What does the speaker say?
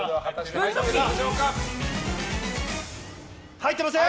入ってません！